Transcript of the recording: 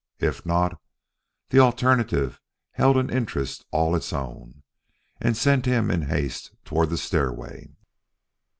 If not the alternative held an interest all its own, and sent him in haste toward the stairway.